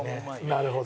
なるほど。